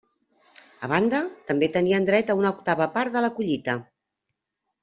A banda, també tenien dret a una octava part de la collita.